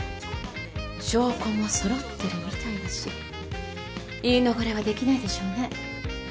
証拠も揃ってるみたいだし言い逃れはできないでしょうね。